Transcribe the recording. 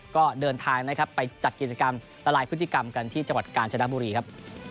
ก็เดินทางไปจัดกิจกรรมตลาดพฤติกรรมกันที่จังหวัดกานชนัดบุรีครับ